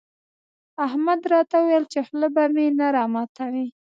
احمد راته وويل چې خوله به مې نه راماتوې.